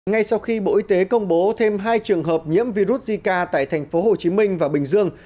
ngay sau khi bộ y tế công bố thêm hai trường hợp nhiễm virus zika tại tp hcm và bình dương